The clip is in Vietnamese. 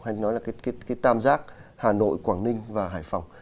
anh nói là cái tam giác hà nội quảng ninh và hải phòng